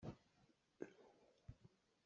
Kamlo le Kamthang an i sual lioah rul a ra.